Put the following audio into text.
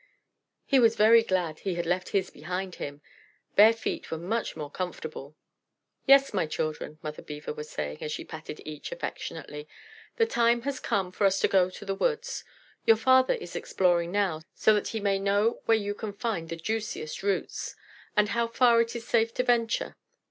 He was very glad he had left his behind him bare feet were much more comfortable. "Yes, my children," Mother Beaver was saying, as she patted each affectionately, "the time has come for us to go to the woods. Your father is exploring now, so that he may know where you can find the juiciest roots, and how far it is safe to venture.